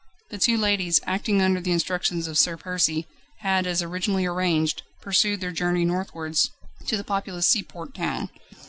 The two ladies, acting under the instructions of Sir Percy, had as originally arranged, pursued their journey northwards, to the populous seaport town.